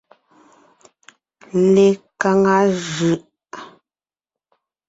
Lekaŋa jʉʼ.